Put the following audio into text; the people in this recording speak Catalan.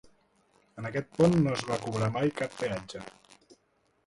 En aquest pont no es va cobrar mai cap peatge.